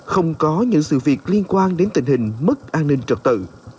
không có những sự việc liên quan đến tình hình mất an ninh trật tự